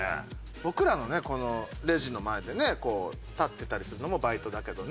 僕らのねこのレジの前でねこう立ってたりするのもバイトだけどね。